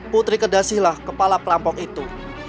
putri kedasilah kepala perampok itu